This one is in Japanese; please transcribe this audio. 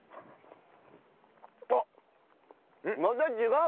あっまた違う！